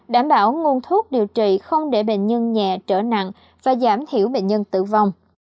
đảm bảo nguồn thuốc điều trị không để bệnh nhân nhẹ trở nặng và giảm thiểu bệnh nhân tử vong